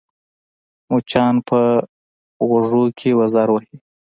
مچان په غوږو کې وزر وهي